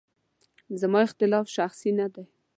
زما اختلاف شخصي نه دی.